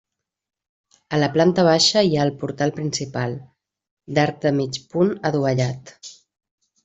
A la planta baixa hi ha el portal principal, d'arc de mig punt adovellat.